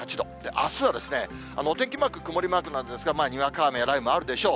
あすはですね、お天気マーク、曇りマークなんですが、にわか雨や雷雨もあるでしょう。